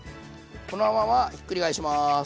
このままひっくり返します。